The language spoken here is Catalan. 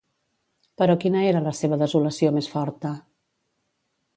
Però quina era la seva desolació més forta?